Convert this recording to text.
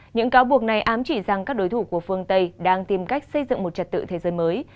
những cáo buộc này ám chỉ rằng các đối thủ của phương tây đang tìm cách xây dựng một trật tự thế giới mới